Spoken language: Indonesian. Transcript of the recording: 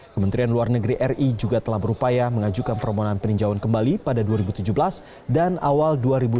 kementerian luar negeri ri juga telah berupaya mengajukan permohonan peninjauan kembali pada dua ribu tujuh belas dan awal dua ribu delapan belas